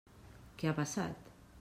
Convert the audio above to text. Què ha passat?